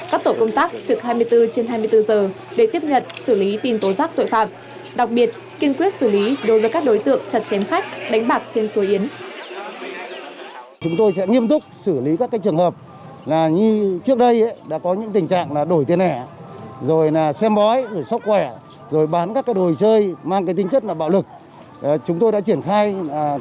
các tổ công tác trực hai mươi bốn trên hai mươi bốn giờ để tiếp nhận xử lý tin tố giác tội phạm